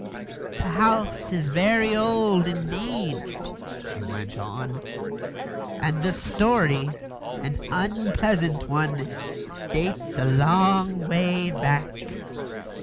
"The house is very old indeed," she went on, "and the story an unpleasant one dates a long way back.